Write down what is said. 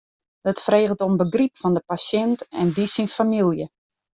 Dat freget om begryp fan de pasjint en dy syn famylje.